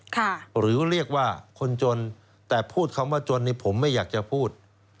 หรือเรียกว่าคนจนแต่พูดคำว่าจนนี่ผมไม่อยากจะพูด